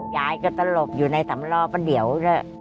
ยายก็ตลกอยู่ในสำลอบเดียวเลย